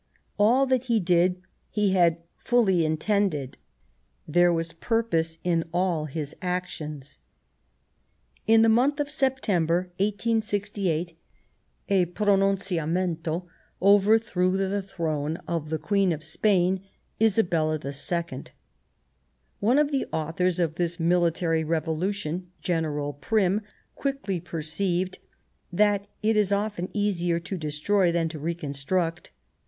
All that he did he had fully intended ; there was purpose in all his actions. In the month of September 1868 a pronun ciamento overthrew the throne of the Queen of Spain, Isabella II. One of the authors The Hohen of this military revolution. General Prim, candidature quickly perceived that it is often easier to destroy than to reconstruct.